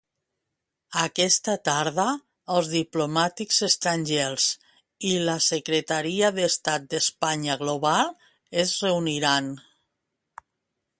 Aquesta tarda, els diplomàtics estrangers i la secretaria d'Estat d'Estanya Global es reuniran.